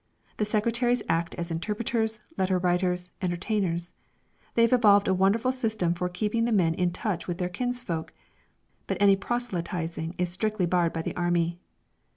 The secretaries act as interpreters, letter writers, entertainers; they have evolved a wonderful system for keeping the men in touch with their kinsfolk but any proselytising is strictly barred by the Army.